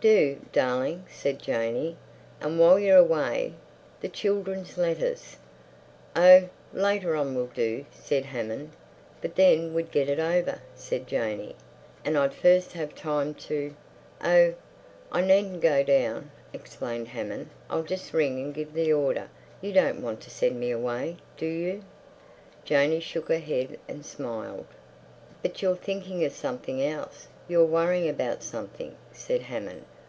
"Do, darling!" said Janey. "And while you're away—the children's letters—" "Oh, later on will do!" said Hammond. "But then we'd get it over," said Janey. "And I'd first have time to—" "Oh, I needn't go down!" explained Hammond. "I'll just ring and give the order... you don't want to send me away, do you?" Janey shook her head and smiled. "But you're thinking of something else. You're worrying about something," said Hammond.